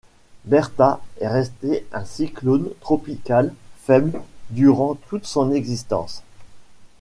Bertha est resté un cyclone tropical faible durant toute son existence.